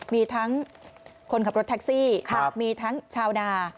มีทั้งคนขับรถแท็กซี่มีทั้งชาวนา